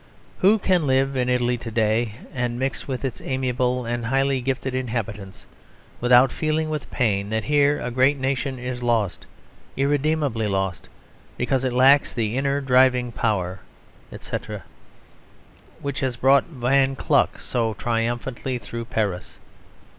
"Who can live in Italy to day and mix with its amiable and highly gifted inhabitants without feeling with pain that here a great nation is lost, irredeemably lost, because it lacks the inner driving power," etc., which has brought Von Kluck so triumphantly through Paris.